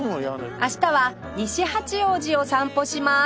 明日は西八王子を散歩します